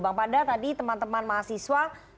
bang panda tadi teman teman mahasiswa